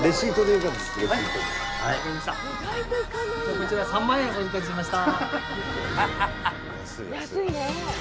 こちら３万円お預かりしました。